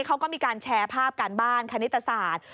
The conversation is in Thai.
เขาก็มีการแชร์ภาพการบ้านคณิตศาสตร์